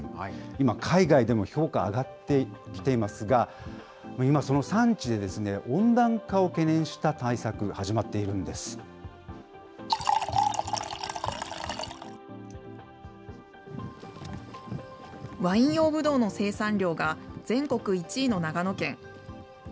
今、海外でも評価上がってきていますが、今、その産地で温暖化を懸念した対策、始まっているんでワイン用ぶどうの生産量が、全国１位の長野県。